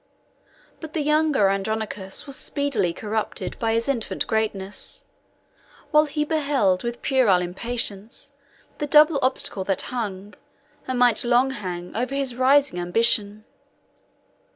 But the younger Andronicus was speedily corrupted by his infant greatness, while he beheld with puerile impatience the double obstacle that hung, and might long hang, over his rising ambition.